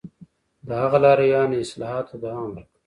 د هغه لارویانو اصلاحاتو ته دوام ورکړ